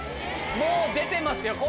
もう出てますよ！